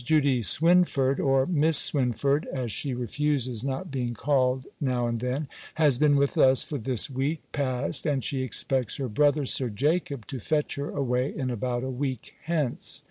Judy Swynford, or Miss Swynford (as she refuses not being called, now and then), has been with us for this week past; and she expects her brother, Sir Jacob, to fetch her away in about a week hence.